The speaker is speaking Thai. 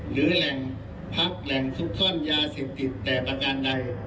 หรือแหล่งพักแหล่งซุกซ่อนยาเสพติดแต่ประการใด